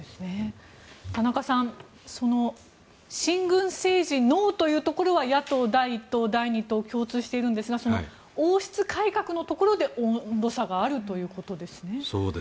田中さん、親軍政治ノーというところは野党第１党、第２党共通しているんですが王室改革のところで温度差があるということですね。